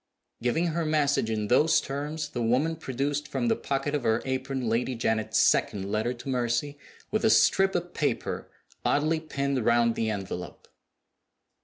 Giving her message in those terms, the woman produced from the pocket of her apron Lady Janet's second letter to Mercy, with a strip of paper oddly pinned round the envelope.